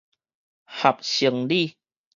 合成里